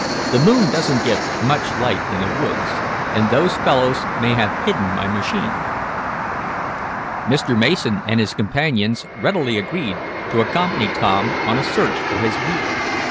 The moon doesn't give much light in the woods, and those fellows may have hidden my machine." Mr. Mason and his companions readily agreed to accompany Tom on a search for his wheel.